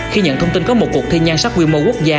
khi nhận thông tin có một cuộc thi nhan sắc quy mô quốc gia